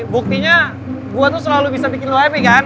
buktinya gue tuh selalu bisa bikin lo happy kan